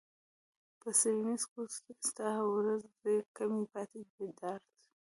په څیړنیز کوچ ستا ورځې کمې پاتې دي ډارت